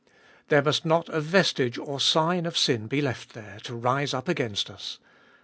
There must not a vestige or sign of sin be left there, to rise up against us.